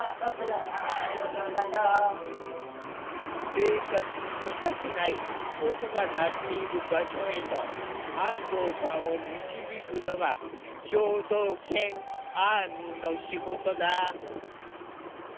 生活に欠かせない「音」が鳴っている場所へと安藤さんを導くのが聴導犬アーミの仕事だ。